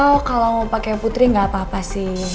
oh kalo mau pake putri gak apa apa sih